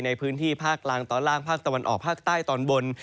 ในพื้นที่ภาคกลางตอนล่างภาคตะวันออกภาคใต้ตอนบน